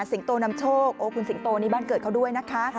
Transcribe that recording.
โตนำโชคโอ้คุณสิงโตนี่บ้านเกิดเขาด้วยนะคะ